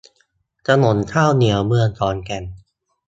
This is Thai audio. ถนนข้าวเหนียว เมืองขอนแก่น